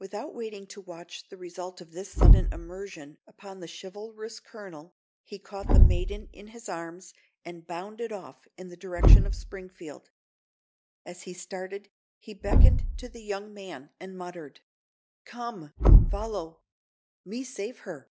Without waiting to watch the result of this sudden immersion upon the chivalrous colonel, he caught the maiden in his arms, and bounded off in the direction of Springfield. As he started, he beckoned to the young man and muttered: "Come—follow—me save her!"